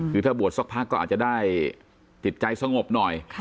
คือถ้าบวชสักพักก็อาจจะได้ติดใจสงบหน่อย